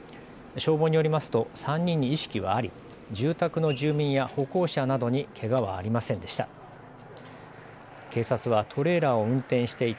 消防によりますと３人に意識はあり住宅の住民や歩行者などにけがはありませんでした。